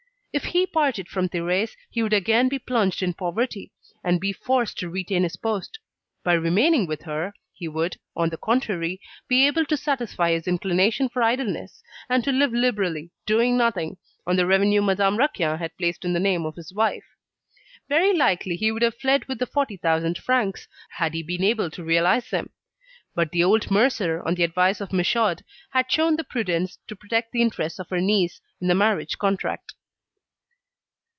If he parted from Thérèse, he would again be plunged in poverty, and be forced to retain his post; by remaining with her, he would, on the contrary, be able to satisfy his inclination for idleness, and to live liberally, doing nothing, on the revenue Madame Raquin had placed in the name of his wife. Very likely he would have fled with the 40,000 francs, had he been able to realise them; but the old mercer, on the advice of Michaud, had shown the prudence to protect the interests of her niece in the marriage contract.